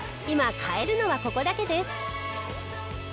今買えるのはここだけです。